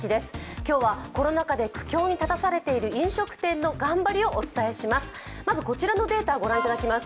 今日はコロナ禍で苦境に立たされている飲食店の頑張りをお伝えします。